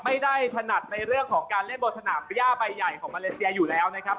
ถนัดในเรื่องของการเล่นบนสนามย่าใบใหญ่ของมาเลเซียอยู่แล้วนะครับ